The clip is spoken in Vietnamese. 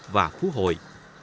và phú hội